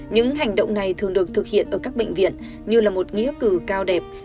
những hành động này thường được thực hiện ở các bệnh viện như là một nghĩa cử cao đẹp